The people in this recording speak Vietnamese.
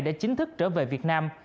đã chính thức trở về việt nam